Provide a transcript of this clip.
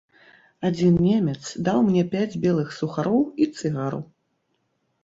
Адзін немец даў мне пяць белых сухароў і цыгару.